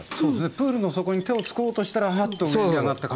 プールの底に手をつこうとしたらハッと浮き上がった感じ。